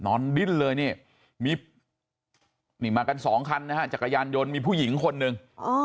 ดิ้นเลยนี่มีนี่มากันสองคันนะฮะจักรยานยนต์มีผู้หญิงคนหนึ่ง